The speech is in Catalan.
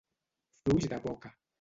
Fluix de boca.